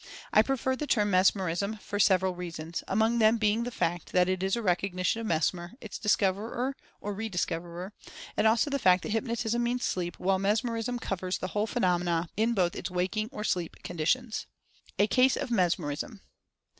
I prefer the term Mesmerism for several reasons, among them be ing the fact that it is a recognition of Mesmer, its dis coverer, or re discoverer; and also the fact that Hyp notism means "sleep," while Mesmerism covers the Rationale of Fascination 53 whole phenomena, in both its waking or sleep condi tions. A CASE OF MESMERISM.